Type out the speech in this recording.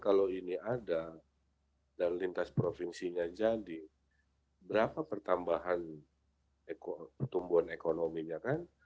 kalau ini ada dan lintas provinsinya jadi berapa pertambahan pertumbuhan ekonominya kan